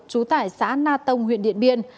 trú tại xã na tông huyện điện biên